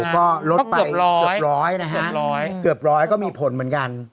ก็ลดไปเกือบ๑๐๐นะครับเกือบ๑๐๐ก็มีผลเหมือนกัน